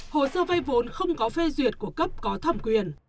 hồ sơ vay vốn không có phê duyệt của cấp có thẩm quyền